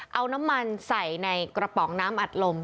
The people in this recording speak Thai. เอาน้ำมันใส่ในกระป๋องน้ำอัดลม